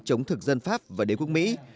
chống thực dân pháp và đế quốc mỹ